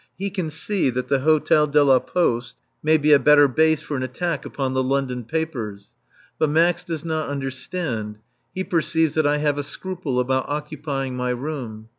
He can see that the Hôtel de la Poste may be a better base for an attack upon the London papers. But Max does not understand. He perceives that I have a scruple about occupying my room.